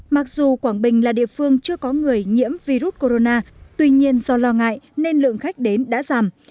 mặc dù quảng bình là địa phương chưa có người nhiễm virus corona tuy nhiên do lo ngại nên lượng khách đến đã giảm